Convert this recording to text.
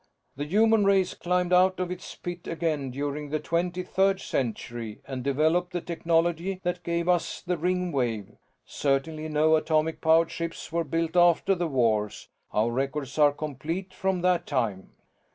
The human race climbed out of its pit again during the Twenty third Century and developed the technology that gave us the Ringwave. Certainly no atomic powered ships were built after the wars our records are complete from that time."